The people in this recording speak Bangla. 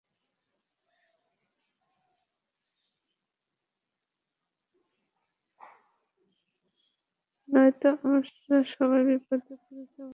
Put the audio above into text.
নয়তো আমরা সবাই বিপদে পড়ে যাব!